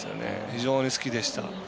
非常に好きでした。